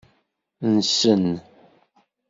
Nnsen.